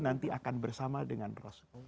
nanti akan bersama dengan rasul